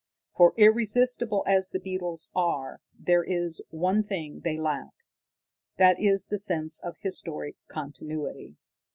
"For, irresistible as the beetles are, there is one thing they lack. That is the sense of historic continuity.